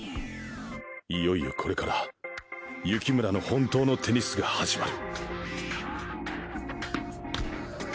いよいよこれから幸村の本当のテニスが始まる！